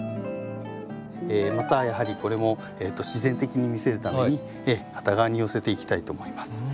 またやはりこれも自然的に見せるために片側に寄せていきたいと思います。